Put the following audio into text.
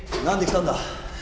何で来たんだ？